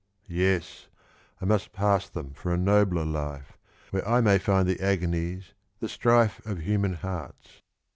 Yes, I must pass them for a nobler life, Where I may find the af^onies, the strife Of human hearts.